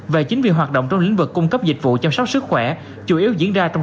và chính vì hoạt động trong lĩnh vực cung cấp dịch vụ chăm sóc sức khỏe chủ yếu diễn ra trong